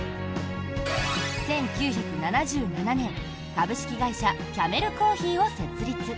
１９７７年株式会社キャメル珈琲を設立。